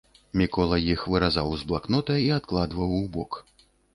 Мікола іх выразаў з блакнота і адкладваў убок.